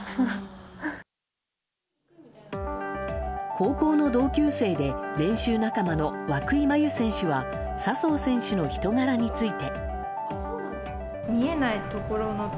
高校の同級生で練習仲間の和久井麻由選手は笹生選手の人柄について。